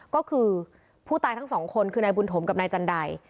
ก็คือผู้ตายทั้งสองคนคือนายบุญถมกับนายจันได